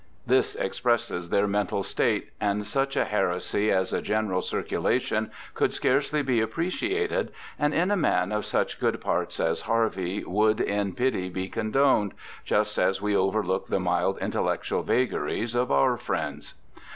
This expresses their mental state, and such a heresy as a general circulation could scarcely be appreciated ; and in a man of such good parts as Harvey would in pity be condoned, just as we overlook the mild intellectual vagaries of our friends.